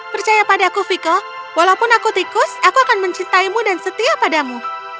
percayalah padaku veko walaupun aku tikus aku akan mencintaimu dan setia padamu